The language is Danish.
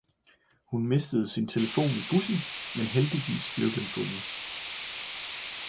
Han mistede sin telefon i bussen, men heldigvis blev den fundet.